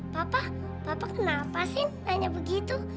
papa papa kenapa sih nanya begitu